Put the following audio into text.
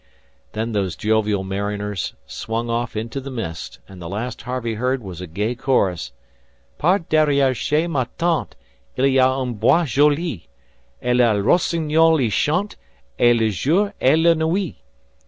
Then those jovial mariners swung off into the mist, and the last Harvey heard was a gay chorus: "Par derriere chez ma tante, Il'y a un bois joli, Et le rossignol y chante Et le jour et la nuit....